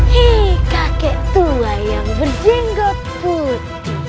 hei kakek tua yang berjenggot food